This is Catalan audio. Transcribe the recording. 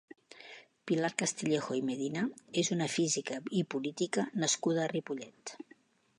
Pilar Castillejo i Medina és una física i política nascuda a Ripollet.